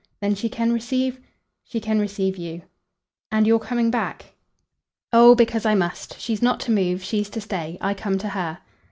"Then she can receive ?" "She can receive you." "And you're coming back ?" "Oh, because I must. She's not to move. She's to stay. I come to her."